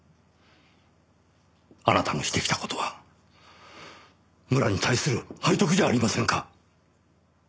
あなたのしてきた事は村に対する背徳じゃありませんか。